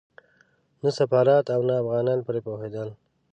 نه سفارت او نه افغانان پرې پوهېدل.